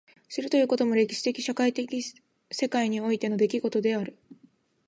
知るということも歴史的社会的世界においての出来事である。